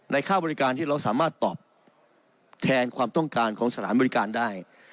ค่าบริการที่เราสามารถตอบแทนความต้องการของสถานบริการได้